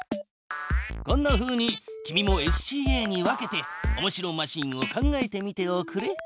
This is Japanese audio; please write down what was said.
こんなふうに君もＳＣＡに分けておもしろマシーンを考えてみておくれ。